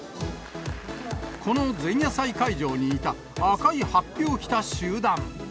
この前夜祭会場にいた、赤いはっぴを着た集団。